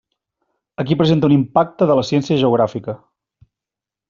Aquí presenta un impacte de la ciència geogràfica.